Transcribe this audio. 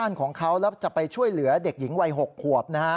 ที่บ้านของเขาแล้วจะไปช่วยเหลือเด็กหญิงวัย๖ขวบ